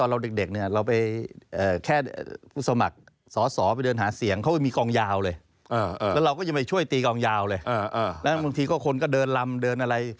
และบางทีคนก็เดินรำเดินอะไร